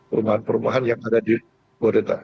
rumahan perumahan yang ada di bodenta